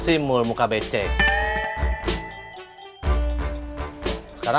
ibu guru siapa